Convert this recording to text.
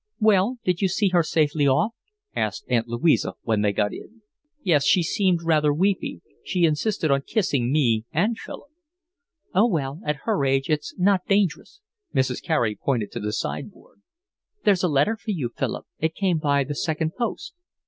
"Well, did you see her safely off?" asked Aunt Louisa, when they got in. "Yes, she seemed rather weepy. She insisted on kissing me and Philip." "Oh, well, at her age it's not dangerous." Mrs. Carey pointed to the sideboard. "There's a letter for you, Philip. It came by the second post."